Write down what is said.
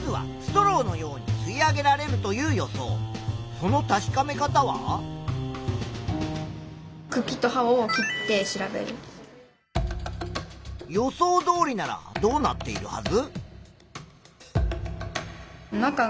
その確かめ方は？予想どおりならどうなっているはず？